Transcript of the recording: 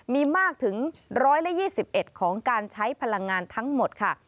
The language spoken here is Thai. มีมากถึง๑๒๑ของการใช้พลังงานทั้งหมดค่ะ